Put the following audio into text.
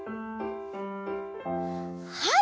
はい！